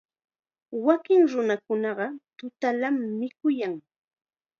Wakin nunakunaqa tutallam mikuyan.